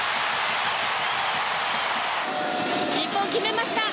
日本決めました！